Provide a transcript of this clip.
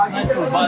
saya punya energi